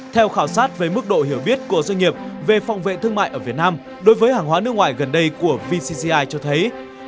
theo khảo sát về mức độ hiểu biết của doanh nghiệp về phòng vệ thương mại ở việt nam đối với hàng hóa nước ngoài gần đây của vcgi cho thấy